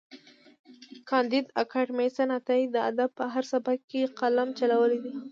کانديد اکاډميسن عطايي د ادب په هر سبک کې قلم چلولی دی.